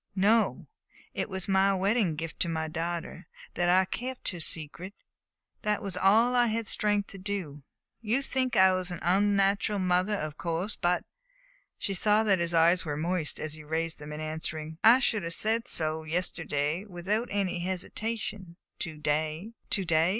"No. It was my wedding gift to my daughter that I kept her secret. That was all I had strength to do. You think I was an unnatural mother, of course; but " She saw that his eyes were moist as he raised them in answering. "I should have said so yesterday without any hesitation; to day " "To day?"